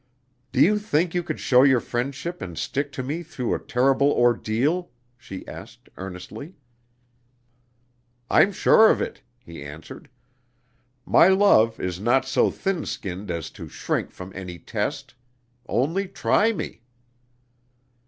"Do you think you could show your friendship and stick to me through a terrible ordeal?" she asked earnestly. "I'm sure of it," he answered. "My love is not so thin skinned as to shrink from any test. Only try me!"